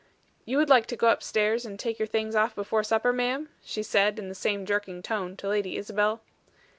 "You would like to go upstairs and take your things off before upper, ma'am?" she said, in the same jerking tone to Lady Isabel.